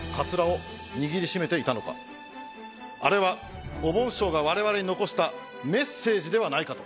あれはおぼん師匠が我々に残したメッセージではないかと。